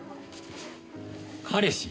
彼氏？